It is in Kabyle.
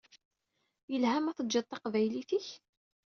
Yelha ma teǧǧiḍ taqbaylit-ik?